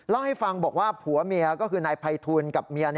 เล่าให้ฟังบอกว่าผัวเมียก็คือนายภัยทูลกับเมีย